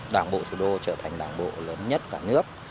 đảng bộ thủ đô trở thành đảng bộ lớn nhất cả nước